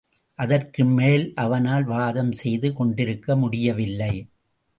அதற்கு மேல் அவனால் வாதம் செய்து கொண்டிருக்க முடியவில்லை.